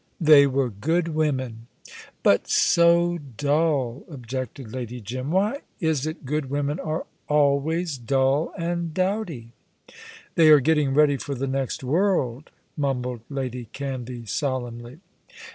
"They were good women." "But so dull," objected Lady Jim. "Why is it good women are always dull and dowdy?" "They are getting ready for the next world," mumbled Lady Canvey, solemnly.